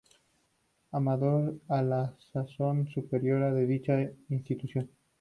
Amador, a la sazón superiora de dicha institución.